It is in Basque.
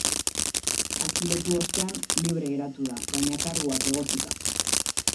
Atxilotu ostean, libre geratu da, baina karguak egotzita.